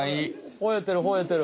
ほえてるほえてる。